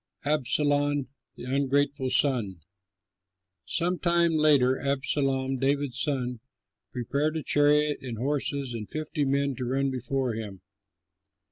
ABSALOM THE UNGRATEFUL SON Some time later Absalom, David's son, prepared a chariot and horses and fifty men to run before him.